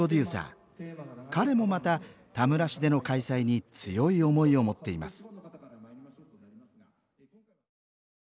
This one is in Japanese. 彼もまた田村市での開催に強い思いを持っています